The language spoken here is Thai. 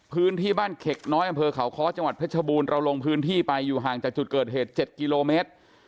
พื้นที่บ้านเข็กน้อยอำเภอเขาค้อจังหวัดเพชรบูรณ์เราลงพื้นที่ไปอยู่ห่างจากจุดเกิดเหตุ๗กิโลเมตร